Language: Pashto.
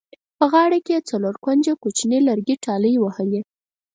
په غاړه کې یې څلور کونجه کوچیني لرګي ټالۍ وهلې.